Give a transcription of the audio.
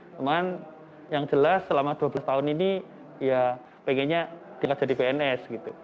cuman yang jelas selama dua belas tahun ini ya pengennya diangkat jadi pns gitu